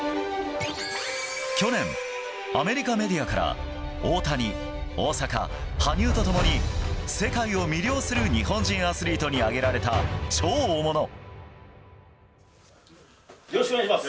去年、アメリカメディアから大谷、大坂、羽生と共に世界を魅了する日本人アスリートに挙げられた超大物。